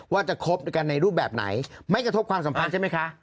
ว่าจะคบด้วยกันในรูปแบบไหนไม่กระทบความสัมพันธ์ใช่ไหมคะ